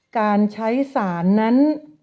การใช้สารนั้น